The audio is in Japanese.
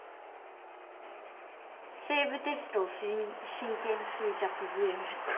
西武鉄道神経衰弱ゲーム。